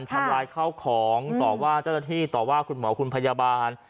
ทำร้ายข้าวของต่อว่าเจ้าหน้าที่ต่อว่าคุณหมอคุณพยาบาล